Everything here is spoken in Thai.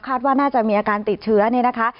ว่าน่าจะมีอาการติดเชื้อเนี่ยนะคะ